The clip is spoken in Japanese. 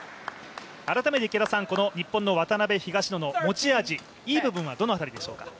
改めてこの日本の渡辺・東野の持ち味、いい部分はどの辺りでしょうか？